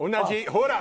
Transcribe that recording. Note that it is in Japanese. ほら！